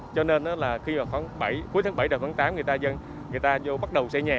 cho nên là cuối tháng bảy tám người ta vô bắt đầu xây nhà